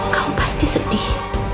kamu pasti sedih